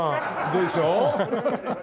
でしょ？